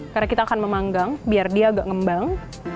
karena kita akan memanggang biar dia agak ngembang